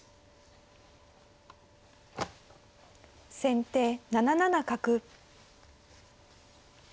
先手７七角。